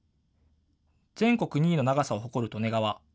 全国２位の長さを誇る利根川。